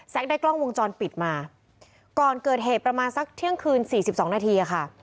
แซคได้กล้องวงจรปิดมาก่อนเกิดเหตุประมาณสักเที่ยงคืน๔๒นาทีค่ะ